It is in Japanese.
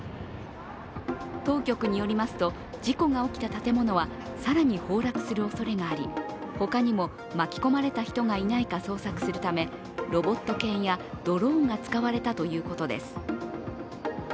当局によりますと、事故が起きた建物は更に崩落するおそれがあり、他にも巻き込まれた人がいないか捜索するためロボット犬やドローンが使われたということです。